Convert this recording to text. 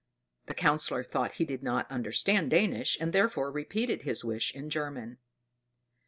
The Councillor thought she did not understand Danish, and therefore repeated his wish in German.